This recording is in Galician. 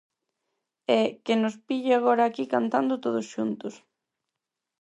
E 'que nos pille agora aquí cantando todos xuntos'.